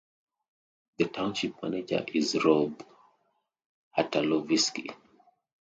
The Township Manager is Rob Hatalovsky.